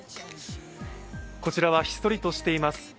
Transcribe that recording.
こちらはひっそりとしています。